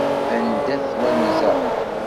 Anda-t wanza?